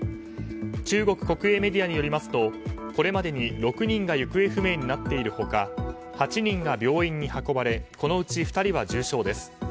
中国国営メディアによりますとこれまでに６人が行方不明になっている他８人が病院に運ばれこのうち２人は重傷です。